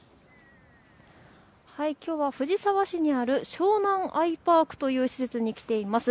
きょうは藤沢市にある湘南アイパークという施設に来ています。